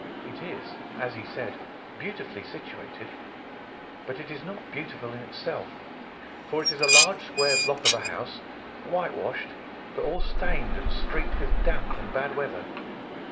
It is, as he said, beautifully situated, but it is not beautiful in itself, for it is a large square block of a house, whitewashed, but all stained and streaked with damp and bad weather.